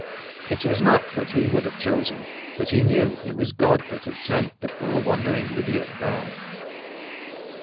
It was not what he would have chosen, but he knew it was God that had sent the poor wandering idiot there.